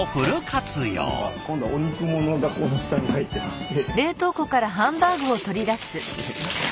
今度はお肉ものがこの下に入ってまして。